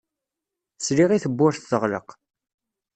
Sliɣ i tewwurt teɣleq.